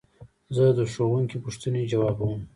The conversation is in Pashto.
زه د ښوونکي پوښتنې ځوابوم.